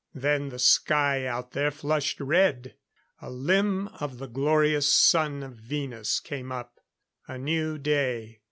Then the sky out there flushed red; a limb of the glorious Sun of Venus came up. A new day.